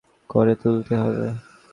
আমাদের দেশকে প্রাণ দিয়ে বড়ো করে তুলতে হবে।